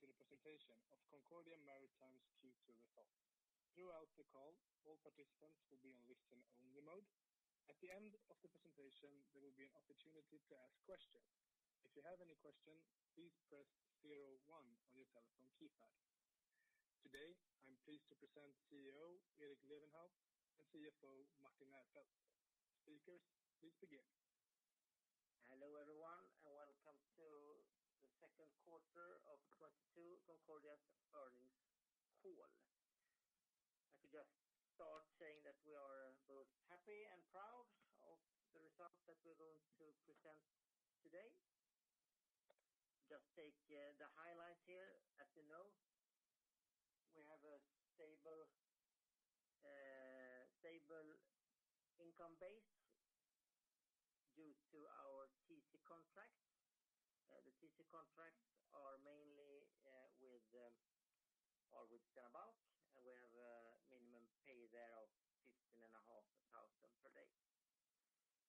Hello and welcome to the presentation of Concordia Maritime's Q2 results. Throughout the call, all participants will be on listen only mode. At the end of the presentation, there will be an opportunity to ask questions. If you have any question, please press zero one on your telephone keypad. Today, I'm pleased to present CEO Erik Lewenhaupt and CFO Martin Nerfeldt. Speakers, please begin. Hello, everyone, and welcome to the second quarter of 2022 Concordia's earnings call. I could just start saying that we are both happy and proud of the results that we're going to present today. Just take the highlights here. As you know, we have a stable income base due to our TC contracts. The TC contracts are mainly with Stena Bulk, and we have a minimum pay there of 15,500 per day.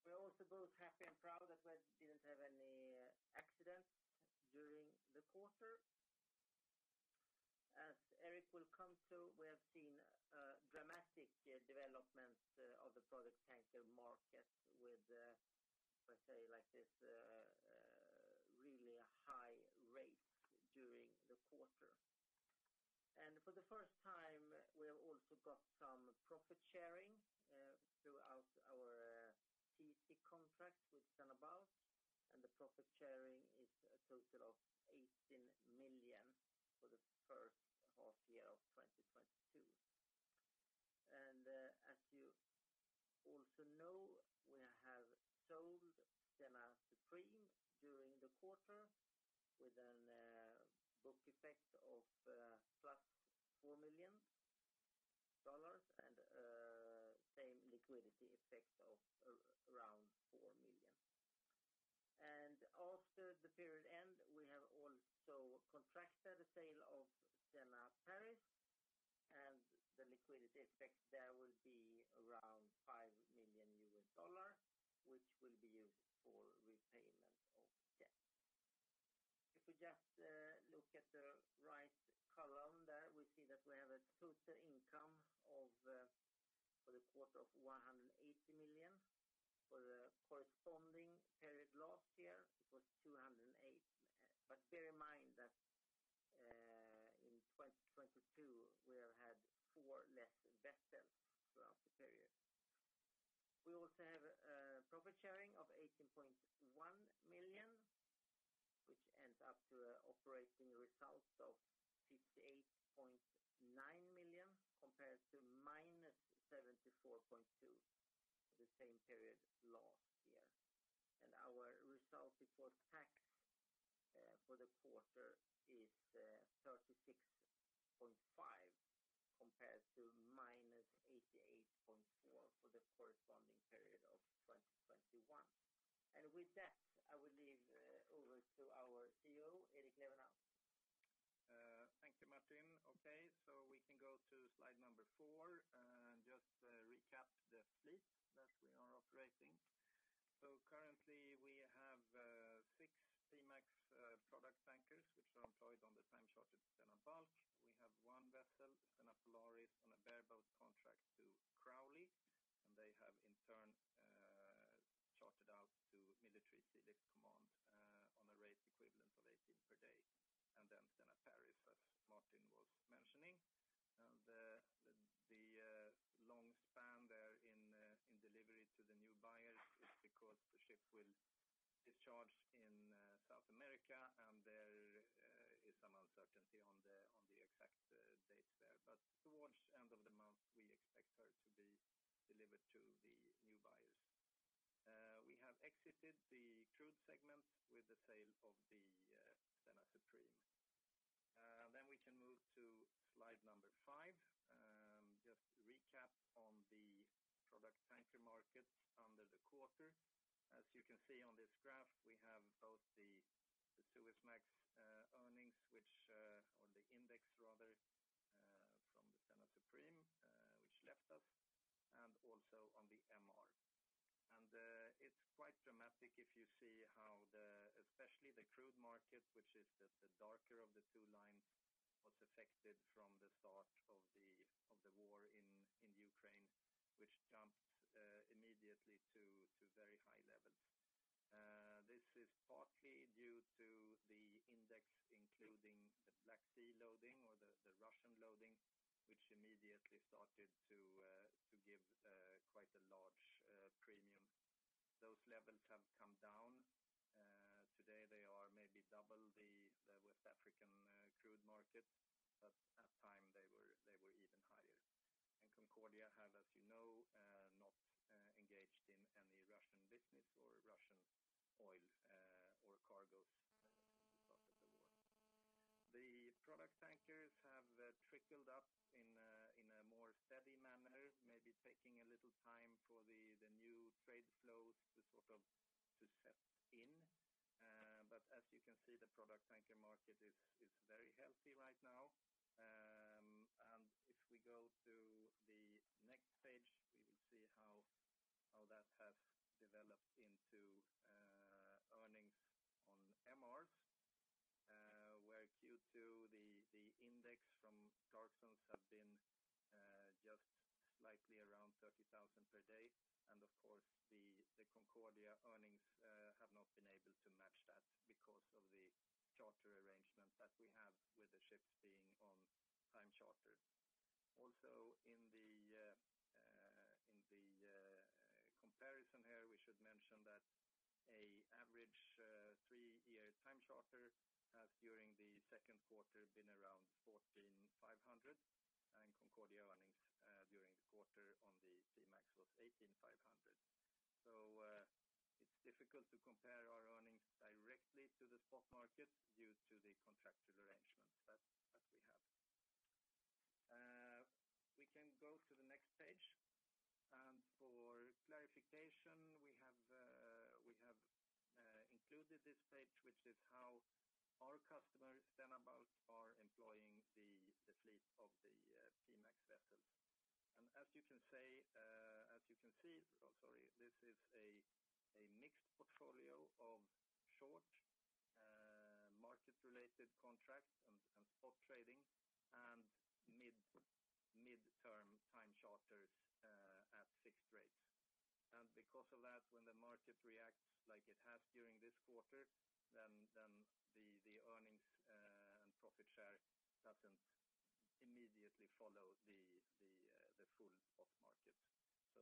We're also both happy and proud that we didn't have any accidents during the quarter. As Erik will come to, we have seen a dramatic development of the product tanker market with, let's say like this, really a high rate during the quarter. For the first time, we have also got some profit sharing throughout our TC contract with Stena Bulk, and the profit sharing is a total of 18 million for the first half year of 2022. As you also know, we have sold Stena Supreme during the quarter with a book effect of $+4 million and same liquidity effect of around $4 million. After the period end, we have also contracted the sale of Stena Paris, and the liquidity effect there will be around $5 million, which will be used for repayment of debt. If we just look at the right column there, we see that we have a total income of for the quarter of 180 million. For the corresponding period last year, it was 208 million. Bear in mind that in 2022, we have had four less vessels throughout the period. We also have a profit sharing of 18.1 million, which ends up to a operating result of 58.9 million compared to -74.2 million the same period last year. Our result before tax for the quarter is 36.5 million compared to -88.4 million for the corresponding period of 2021. With that, I will leave over to our CEO, Erik Lewenhaupt. Thank you, Martin. We can go to slide number four and just recap the fleet that we are operating. Currently we have six P-MAX product tankers which are employed on the time charter at Stena Bulk. We have one vessel, Stena Floris, on a bareboat contract to Crowley, and they have in turn chartered out to Military Sealift Command on a rate equivalent of $18 per day. Stena Paris, as Martin was mentioning. The long span there in delivery to the new buyers is because the ship will discharge in South America, and there is some uncertainty on the exact date there. Towards end of the month, we expect her to be delivered to the new buyers. We have exited the crude segment with the sale of the Stena Supreme. We can move to slide number five. Just a recap on the product tanker market in the quarter. As you can see on this graph, we have both the Suezmax earnings, or the index rather, from the Stena Supreme, which left us, and also on the MR. It's quite dramatic if you see how especially the crude market, which is the darker of the two lines, was affected from the start of the war in Ukraine, which jumped immediately to very high levels. This is partly due to the index including the Black Sea loading or the Russian loading, which immediately started to give quite a large premium. Those levels have come down. Today they are maybe double the West African crude market, but at times they were even higher. Concordia have, as you know, not engaged in any Russian business or Russian oil or cargoes since the start of the war. The product tankers have trickled up in a more steady manner, maybe taking a little time for the new trade flows to sort of set in. As you can see, the product tanker development into earnings on MRs, where Q2 the index from Clarksons have been just slightly around 30,000 per day. Of course, the Concordia earnings have not been able to match that because of the charter arrangement that we have with the ships being on time charter. Also in the comparison here, we should mention that an average three-year time charter during the second quarter has been around $14,500, and Concordia earnings during the quarter on the P-MAX was $18,500. It's difficult to compare our earnings directly to the spot market due to the contractual arrangements that we have. We can go to the next page. For clarification, we have included this page, which is how our customers, Stena Bulk, are employing the fleet of the P-MAX vessels. As you can see, this is a mixed portfolio of short market-related contracts and spot trading and mid-term time charters at fixed rates. Because of that, when the market reacts like it has during this quarter, the earnings and profit share doesn't immediately follow the full spot market.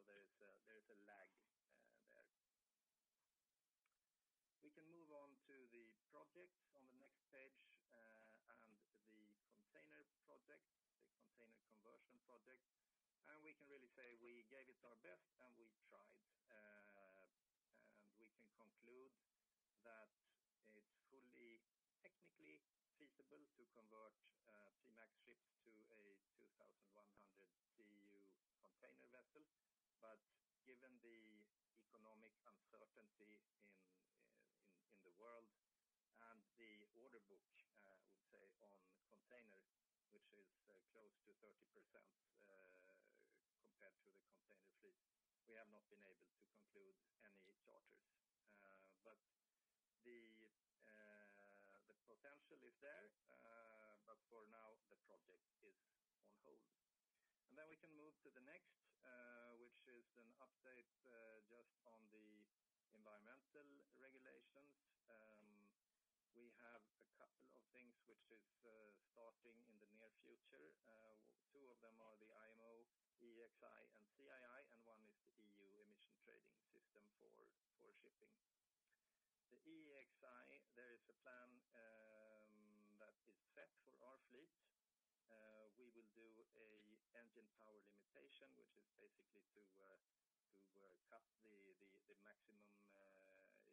There is a lag there. We can move on to the projects on the next page, and the container project, the container conversion project. We can really say we gave it our best and we tried. We can conclude that it's fully technically feasible to convert a Suezmax ship to a 2,100 TEU container vessel. Given the economic uncertainty in the world and the order book, I would say, on containers, which is close to 30%, compared to the container fleet, we have not been able to conclude any charters. The potential is there, but for now, the project is on hold. We can move to the next, which is an update just on the environmental regulations. We have a couple of things which is starting in the near future. Two of them are the IMO EEXI and CII, and one is the EU Emissions Trading System for shipping. The EEXI, there is a plan that is set for our fleet. We will do an engine power limitation, which is basically to cut the maximum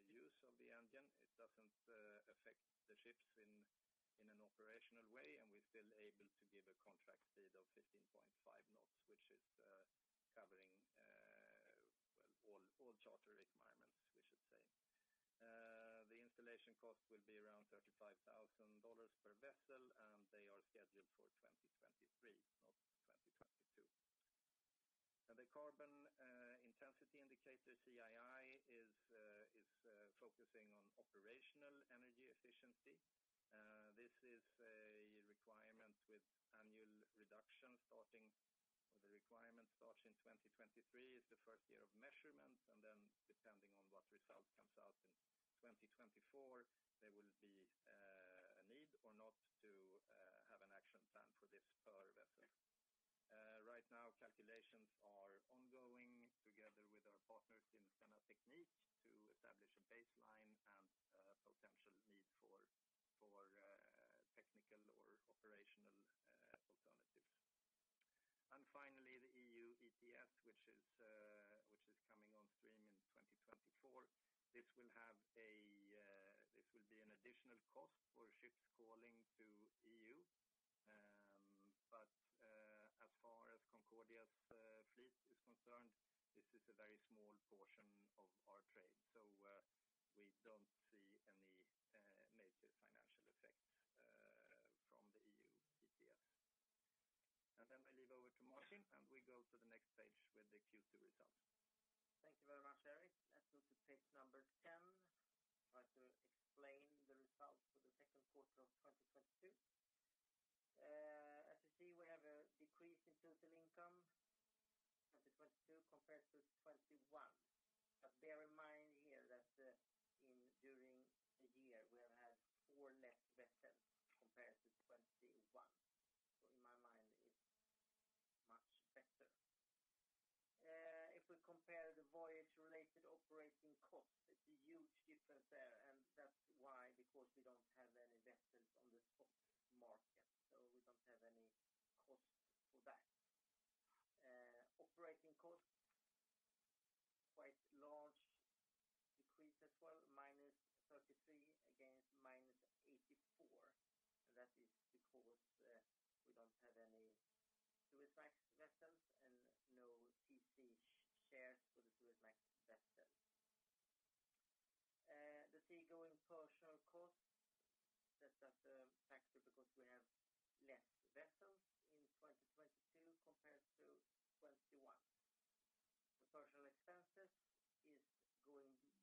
use of the engine. It doesn't affect the ships in an operational way, and we're still able to give a contract speed of 15.5 knots, which is covering all charter requirements, we should say. The installation cost will be around $35,000 per vessel, and they are scheduled for 2023, not 2022. The Carbon Intensity Indicator, CII, is focusing on operational energy efficiency. This is a requirement with annual reduction starting, or the requirement starts in 2023, is the first year of measurement. Then depending on what result comes out in 2024, there will be a need or not to have an action plan for this per vessel. Right now, calculations are ongoing together with our partners in Stena Teknik to establish a baseline and potential need for technical or operational alternatives. Finally, the EU ETS, which is coming on stream in 2024. This will be an additional cost for ships calling to EU. As far as Concordia's fleet is concerned, this is a very small portion of our trade. We don't see any major financial effects from the EU ETS. I leave over to Martin, and we go to the next page with the Q2 results. Thank you very much, Erik. Let's go to page 10. Try to explain the results for the second quarter of 2022. As you see, we have a decrease in total income, 2022 compared to 2021. Bear in mind here that, during the year, we have had four less vessels compared to 2021. In my mind, it's much better. If we compare the voyage-related operating cost, it's a huge difference there. That's why, because we don't have any vessels on the spot market, so we don't have any cost for that. Operating cost, quite large decrease as well, SEK -33 against SEK -84. That is because, we don't have any Suezmax vessels and no TC shares for the Suezmax vessels compared to 2021. The personnel expenses is going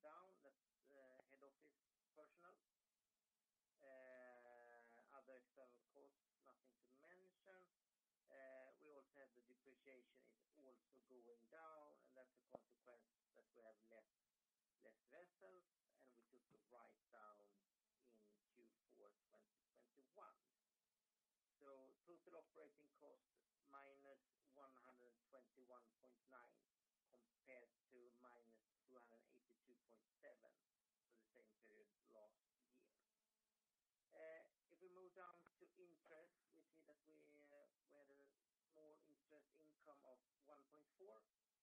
down. That's, head office personnel. Other external costs, nothing to mention. We also have the depreciation is also going down, and that's a consequence that we have less vessels, and we took a write-down in Q4 2021. Total operating costs -121.9 million compared to -282.7 million for the same period last year. If we move down to interest, we see that we had a small interest income of 1.4 million.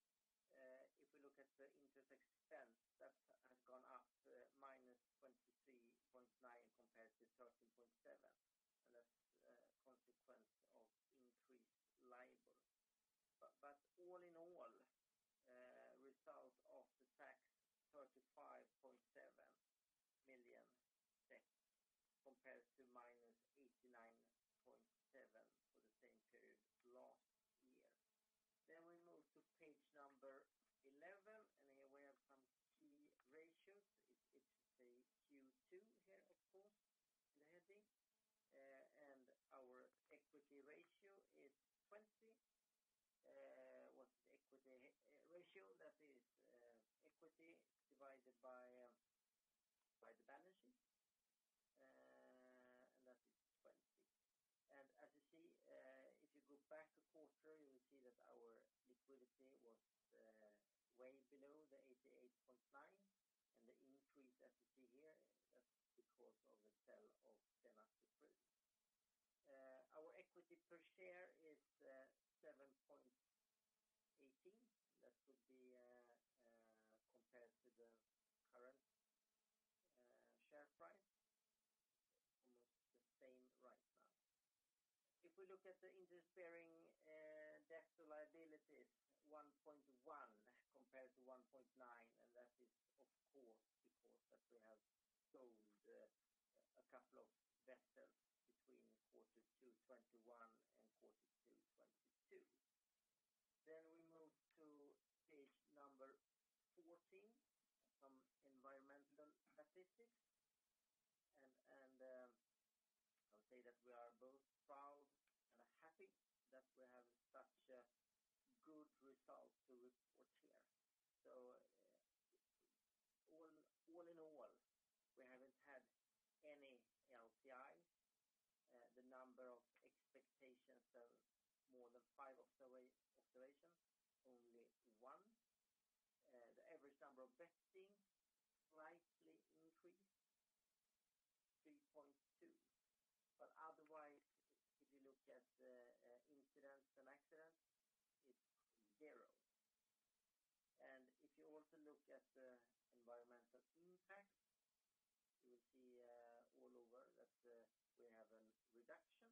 If we look at the interest expense, that has gone up to SEK -23.9 million compared to SEK -13.7 million, and that's a consequence of increased liability. All in all, result after tax, SEK 35.7 million compared to SEK -89.7 million for the same period last year. We move to page number 11, here we have some key ratios. It says Q2 here, of course, in the heading. Our equity ratio is 20. What's the equity ratio? That is, equity divided by the balance sheet. That is 20. As you see, if you go back a quarter, you will see that our liquidity was way below the 88.9. The increase that you see here, that's because of the sale of Stena Supreme. Our equity per share is 7.18. That would be compared to the current share price. Almost the same right now. If we look at the interest-bearing debt to liability, it's 1.1 compared to 1.9, and that is of course because that we have sold a couple of vessels between Q2 2021 and Q2 2022. We move to page 14, some environmental statistics. I'll say that we are both proud and happy that we have such a good result to report here. All in all, we haven't had any LTIs. The number of inspections of more than five observations, only one. The average number of observations slightly increased, 3.2. Otherwise, if you look at the incidents and accidents, it's zero. If you also look at the environmental impact, you will see, overall, that we have a reduction.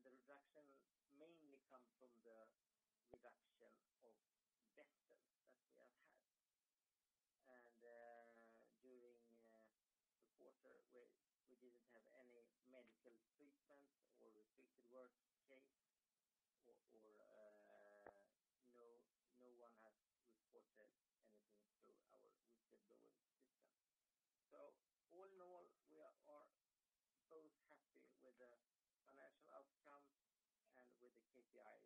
The reduction mainly come from the reduction of vessels that we have had. During the quarter, we didn't have any medical treatment or restricted work case or no one has reported anything through our risk assessment system. All in all, we are both happy with the financial outcome and with the KPI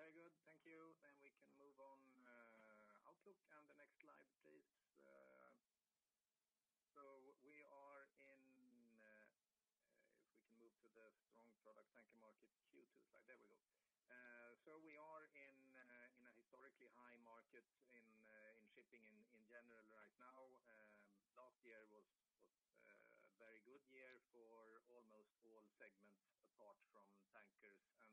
from the accident report. With that, I leave over to Erik for the outlook of 2022 and ongoing. Yeah, very good. Thank you. We can move on, outlook and the next slide, please. We are in, if we can move to the strong product tanker market Q2 slide. There we go. We are in a historically high market in shipping in general right now. Last year was a very good year for almost all segments apart from tankers. Now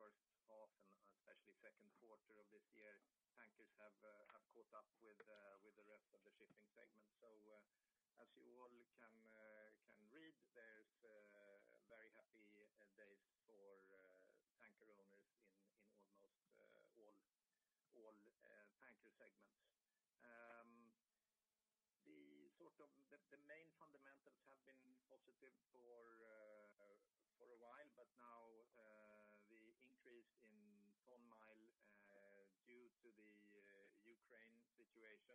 during the first half and especially second quarter of this year, tankers have caught up with the rest of the shipping segment. As you all can read, there's very happy days for tanker owners in almost all tanker segments. The main fundamentals have been positive for a while, but now the increase in ton-mile due to the Ukraine situation,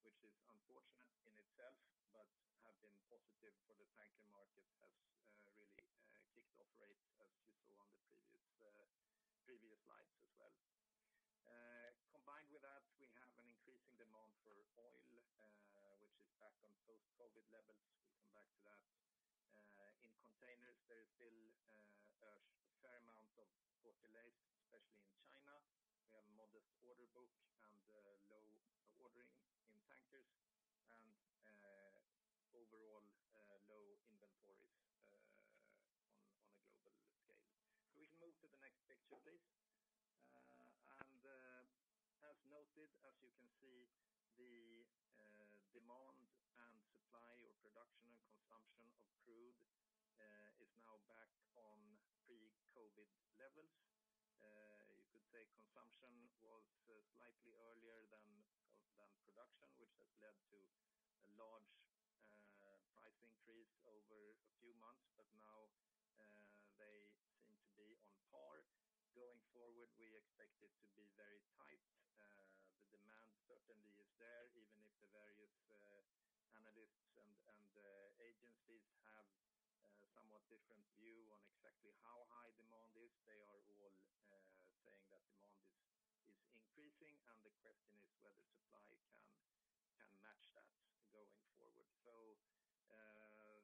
which is unfortunate in itself, but have been positive for the tanker market, has really kicked off rates as you saw on the previous slides as well. Combined with that, we have an increasing demand for oil, which is back on post-COVID levels. We'll come back to that. In containers, there is still a fair amount of port delays, especially in China. We have a modest order book and low ordering in tankers and overall low inventories on a global scale. We can move to the next picture, please. On pre-COVID levels. You could say consumption was slightly earlier than production, which has led to a large price increase over a few months, but now they seem to be on par. Going forward, we expect it to be very tight. The demand certainly is there, even if the various analysts and agencies have somewhat different view on exactly how high demand is. They are all saying that demand is increasing, and the question is whether supply can match that going forward.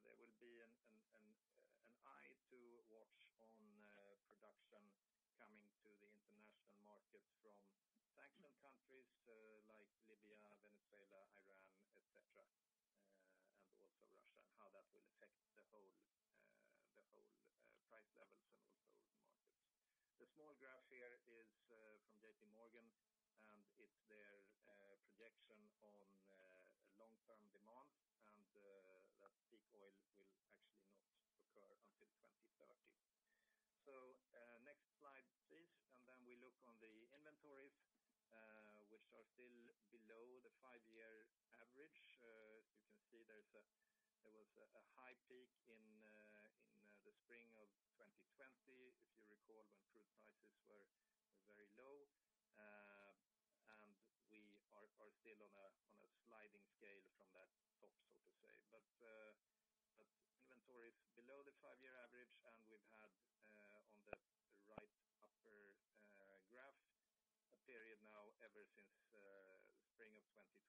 There will be an eye to watch on production coming to the international market from sanction countries like Libya, Venezuela, Iran, et cetera, and also Russia, and how that will affect the whole price levels and also markets. The small graph here is from J.P. Morgan, and it's their projection on long-term demand, and that peak oil will actually not occur until 2030. Next slide, please. We look on the inventories, which are still below the five-year average. You can see there was a high peak in the spring of 2020, if you recall, when crude prices were very low. We are still on a sliding scale from that top, so to say. Inventory is below the five-year average, and we've had on the right upper graph a period now ever since spring of 2020,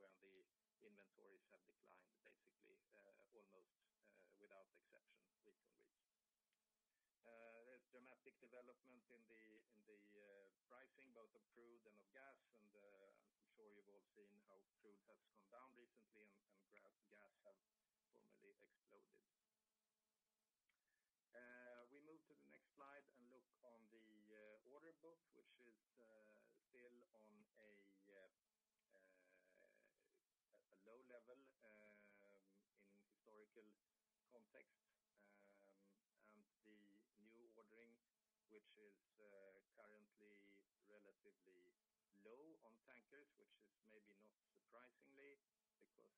where the inventories have declined basically almost without exception week on week. There's dramatic development in the pricing both of crude and of gas, and I'm sure you've all seen how crude has come down recently and gas have dramatically exploded. We move to the next slide and look at the order book, which is still on a low level in historical context. The new ordering, which is currently relatively low on tankers, which is maybe not surprisingly because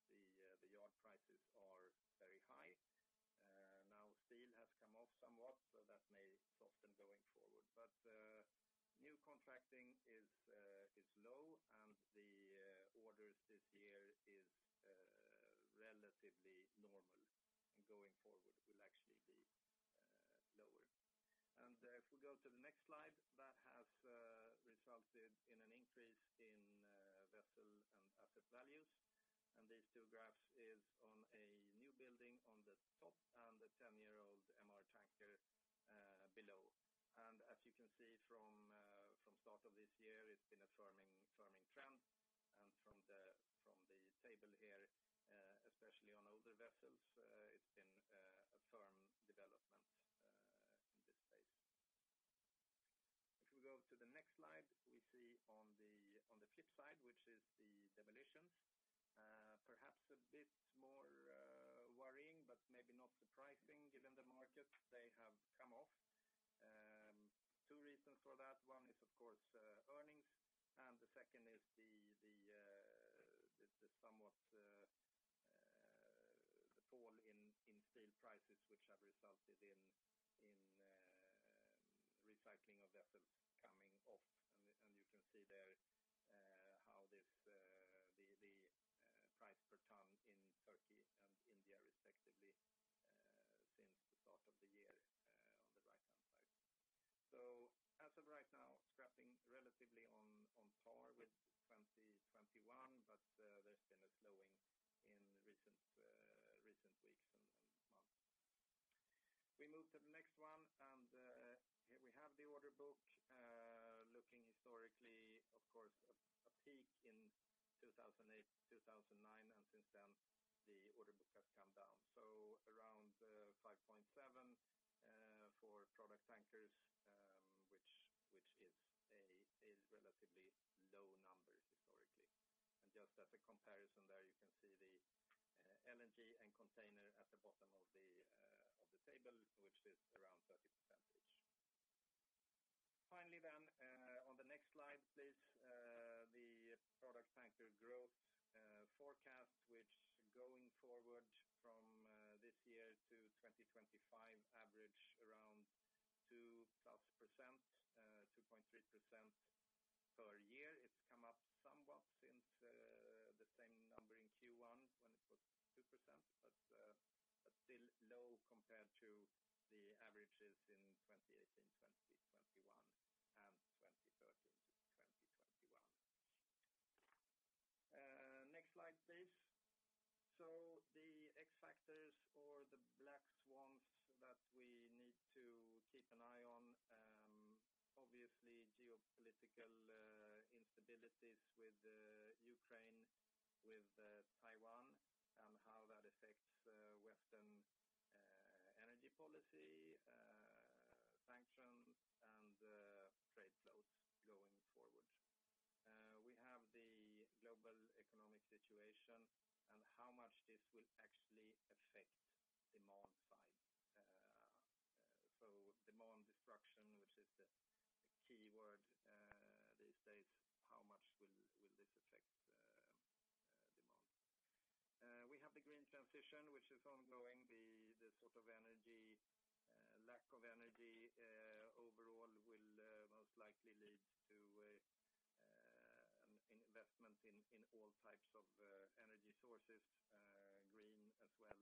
the yard prices are very high. Now steel has come off somewhat, so that may soften going forward. New contracting is low, and the orders this year is relatively normal, and going forward will actually be lower. If we go to the next slide, that has resulted in an increase in vessel and asset values. These two graphs is on a newbuilding on the top and a 10-year-old MR tanker below. As you can see from start of this year, it's been a firming trend. From the table here, especially on older vessels, it's been a firm development in this space. If we go to the next slide, we see on the flip side, which is the demolitions, perhaps a bit more worrying, but maybe not surprising given the market they have come off. Two reasons for that. One is of course earnings, and the second is the somewhat fall in steel prices which have resulted in recycling of vessels coming off. You can see there how this the price per ton in Turkey and India respectively since the start of the year on the right-hand side. As of right now, scrapping relatively on par with 2021, but there's been a slowing in recent weeks and months. We move to the next one, and here we have the order book. Looking historically, of course, a peak in 2008, 2009, and since then the order book has come down. Around 5.7 for product tankers, which is a relatively low number historically. Just as a comparison there you can see the LNG and container at the bottom of the table, which is around 30%. On the next slide, please. The product tanker growth forecast, which going forward from this year to 2025 average around 2+%, 2.3% per year. It's come up somewhat since the same number in Q1 when it was 2%. Still low compared to the averages in 2018, 2021, and 2013-2021. Next slide, please. The X factors or the black swans that we need to keep an eye on, obviously geopolitical instabilities with Ukraine, with Taiwan, and how that affects Western energy policy. How much this will actually affect demand side. Demand destruction, which is the key word these days, how much will this affect demand? We have the green transition, which is ongoing. The sort of energy lack of energy overall will most likely lead to investment in all types of energy sources, green as well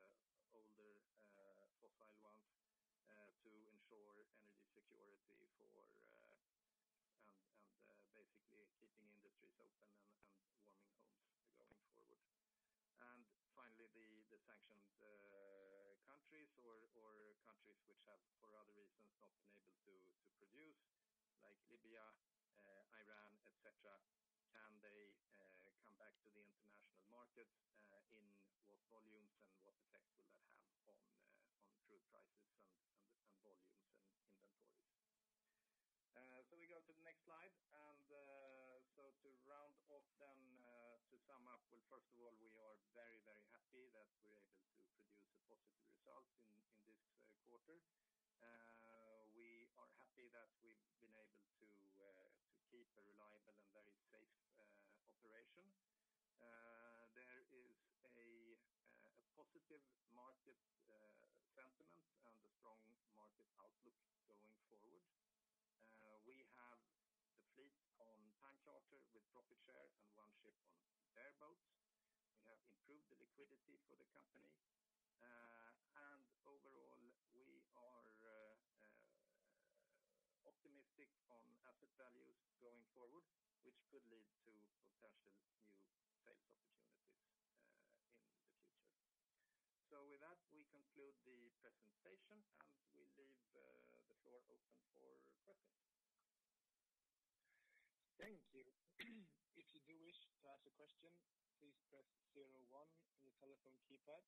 as older fossil ones, to ensure energy security for and basically keeping industries open and warming homes going forward. Finally, the sanctioned countries or countries which have for other reasons not been able to produce like Libya, Iran, et cetera. Can they come back to the international markets in what volumes and what effect will that have on crude prices and volumes and inventories? We go to the next slide and to round off then, to sum up. First of all, we are very happy that we're able to produce a positive result in this quarter. We are happy that we've been able to keep a reliable and very safe operation. There is a positive market sentiment and a strong market outlook going forward. We have the fleet on time charter with profit share and one ship on bareboat. We have improved the liquidity for the company. Overall, we are optimistic on asset values going forward, which could lead to potential new sales opportunities in the future. With that, we conclude the presentation, and we leave the floor open for questions. Thank you. If you do wish to ask a question, please press zero one on your telephone keypad.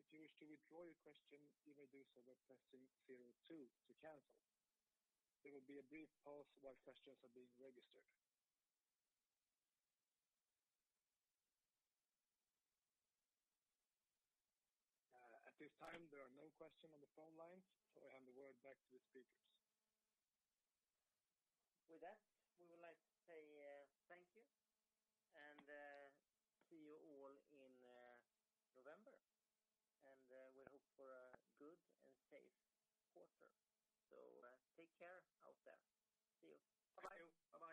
If you wish to withdraw your question, you may do so by pressing zero two to cancel. There will be a brief pause while questions are being registered. At this time there are no questions on the phone lines, so I hand the word back to the speakers.